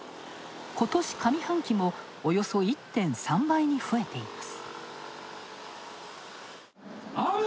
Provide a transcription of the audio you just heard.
今年上半期も、およそ１．３倍に増えています。